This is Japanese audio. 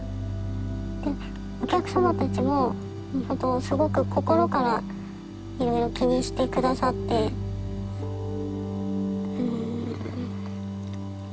でお客様たちもほんとすごく心からいろいろ気にして下さってうん。